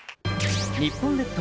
日本列島